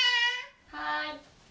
はい。